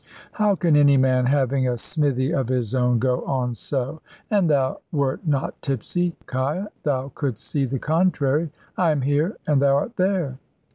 "How can any man having a smithy of his own go on so? An thou wert not tipsy, 'Kiah, thou couldst see the contrary. I am here, and thou art there."